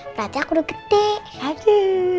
berarti aku udah gede